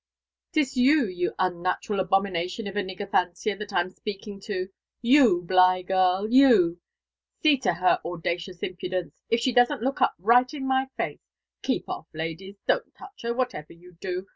— ^"Tisyou, you unnatural abomination of a ni^er fancier, that I'm speaking to ^yeu. Kigh girl, you I— See to her audacious impudence I — if she doesn't k>ok up r^il in my Ibee! Keep off, Iadies, ^don't touch her, whatever yen do.